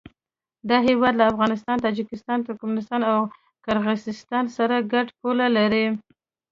دا هېواد له افغانستان، تاجکستان، ترکمنستان او قرغیزستان سره ګډه پوله لري.